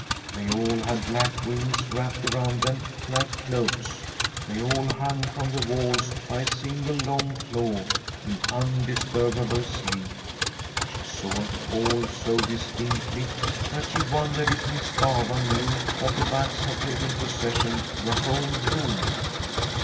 They all had black wings wrapped around them like cloaks ; they all hung from the walls by a single long claw in un disturbable sleep. She saw it all so distinctly that she wondered if Miss Stafva knew that the bats had taken possession of a whole room.